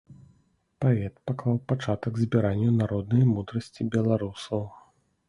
Паэт паклаў пачатак збіранню народнай мудрасці беларусаў.